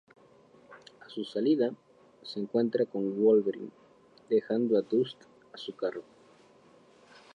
A su salida, se encuentra con Wolverine, dejando a Dust a su cargo.